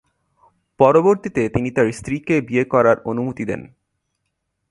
পরবর্তীতে তিনি তার স্ত্রীকে বিয়ে করার অনুমতি দেন।